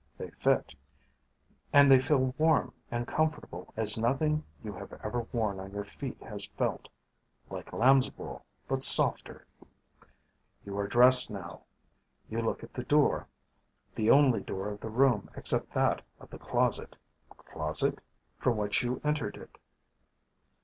They fit, and they feel warm and comfortable as nothing you have ever worn on your feet has felt. Like lamb's wool, but softer. You are dressed now. You look at the door the only door of the room except that of the closet (closet?) from which you entered it.